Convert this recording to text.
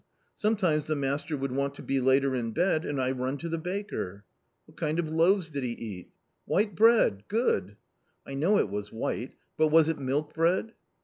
Sometimes the master would want to be later in bed, and I run to the baker." " What kind of loaves did he eat ?"" White bread, good." " I know it was white ; but was it milk bread